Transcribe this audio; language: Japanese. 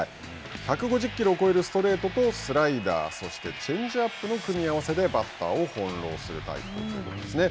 １５０キロを超えるストレートとスライダーそして、チェンジアップの組み合わせでバッターを翻弄するタイプということですね。